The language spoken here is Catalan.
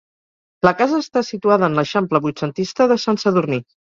La casa està situada en l'eixample vuitcentista de Sant Sadurní.